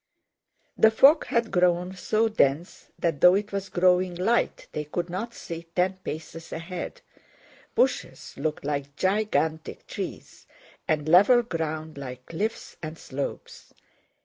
The fog had grown so dense that though it was growing light they could not see ten paces ahead. Bushes looked like gigantic trees and level ground like cliffs and slopes.